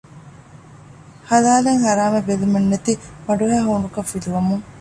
ޙަލާލެއް ޙަރާމެއް ބެލުމެއްނެތި ބަނޑުހައި ހޫނުކަން ފިލުވަމުން